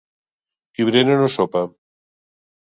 Qui berena no sopa.